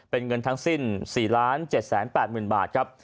เป็นเงินทั้งสิ้น๔๗๘๐๐๐บาทครับ